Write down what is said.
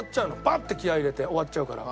バッて気合入れて終わっちゃうから。